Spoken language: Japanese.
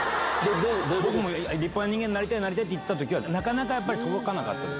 僕も立派な人間になりたいなりたいって、言ってたときには、なかなかやっぱり届かなかったです。